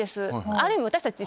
ある意味私たち